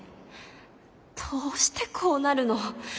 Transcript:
どうしてこうなるの？